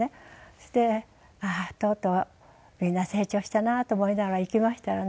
それでああとうとうみんな成長したなと思いながら行きましたらね。